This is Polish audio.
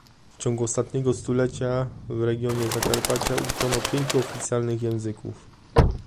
W ciągu ostatniego stulecia, w regionie Zakarpacia uczono pięciu oficjalnych języków